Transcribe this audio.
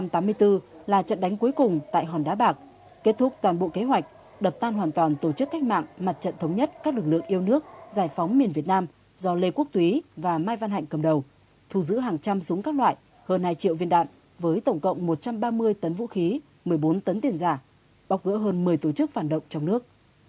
đây là trận đánh cuối cùng tại hòn đá bạc kết thúc toàn bộ kế hoạch đập tan hoàn toàn tổ chức cách mạng mặt trận thống nhất các lực lượng yêu nước giải phóng miền việt nam do lê quốc túy và mai văn hạnh cầm đầu thu giữ hàng trăm súng các loại hơn hai triệu viên đạn với tổng cộng một trăm ba mươi tấn vũ khí một mươi bốn tấn tiền giả bóc gỡ hơn một mươi tổ chức phản động trong nước